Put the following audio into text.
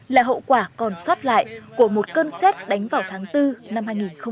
là hậu quả còn xót lại của một cơn xét đánh vào tháng bốn năm hai nghìn một mươi chín